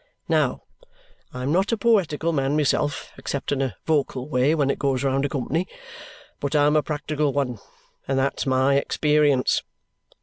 Now, I am not a poetical man myself, except in a vocal way when it goes round a company, but I'm a practical one, and that's my experience.